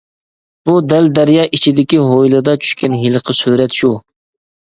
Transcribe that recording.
بۇ دەل دەريا ئىچىدىكى ھويلىدا چۈشكەن ھېلىقى سۈرەت شۇ.